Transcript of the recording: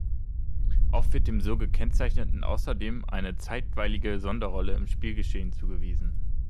Oft wird dem so Gekennzeichneten außerdem eine zeitweilige Sonderrolle im Spielgeschehen zugewiesen.